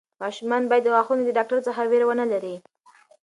ماشومان باید د غاښونو د ډاکټر څخه وېره ونه لري.